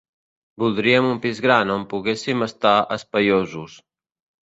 Voldríem un pis gran, on poguéssim estar espaiosos.